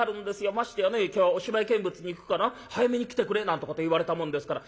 ましてやね『今日はお芝居見物に行くから早めに来てくれ』なんてこと言われたもんですから。